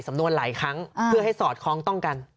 สำนวนหลายครั้งเพื่อให้สอดคล้องต้องกัน